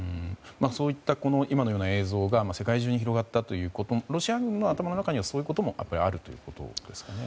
そういった今のような映像が世界中に広がったということがロシア軍の頭の中にはそういうこともあるということですかね。